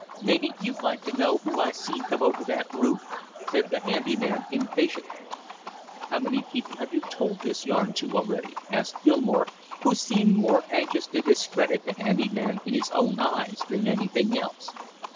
"Maybe you'd like to know who I seen come over that roof?" said the handy man impatiently. "How many people have you told this yarn to already?" asked Gilmore, who seemed more anxious to discredit the handy man in his own eyes than anything else.